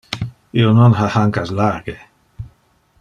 Io non ha hancas large.